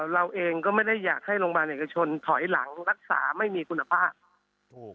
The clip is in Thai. เราเองก็ไม่ได้อยากให้โรงพยาบาลเอกชนถอยหลังรักษาไม่มีคุณภาพถูก